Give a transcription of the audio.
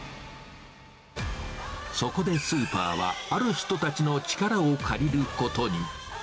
そこでスーパーは、ある人たちの力を借りることに。